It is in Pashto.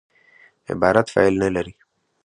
عبارت فاعل نه لري.